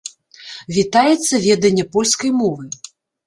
Вітаецца веданне польскай мовы.